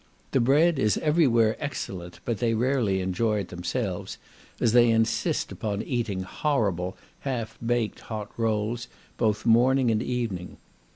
The bread is everywhere excellent, but they rarely enjoy it themselves, as they insist upon eating horrible half baked hot rolls both morning and evening.